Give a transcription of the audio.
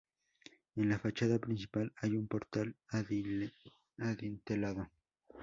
En la fachada principal hay un portal adintelado.